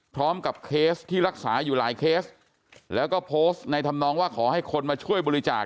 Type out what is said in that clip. เคสที่รักษาอยู่หลายเคสแล้วก็โพสต์ในธรรมนองว่าขอให้คนมาช่วยบริจาค